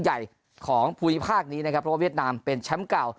ใหญ่ของภูมิภาคนี้นะครับเพราะว่าเวียดนามเป็นแชมป์เก่า